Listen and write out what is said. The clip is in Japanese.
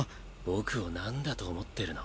僕をなんだと思ってるの？